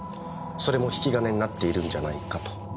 それも引き金になっているんじゃないかと。